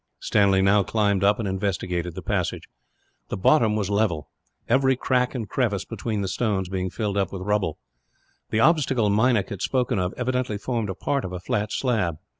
Stanley now climbed up, and investigated the passage. The bottom was level. Every crack and crevice between the stones being filled up with rubbish. The obstacle Meinik had spoken of evidently formed part of a flat slab.